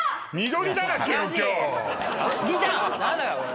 何だこれ。